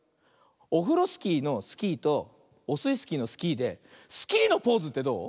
オフロスキーの「スキー」とオスイスキーの「スキー」でスキーのポーズってどう？